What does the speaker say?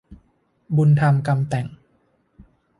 บุญทำกรรมแต่ง